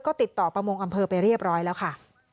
ก็ติดต่อประมงอำเภอไปเรียบร้อยแล้วค่ะ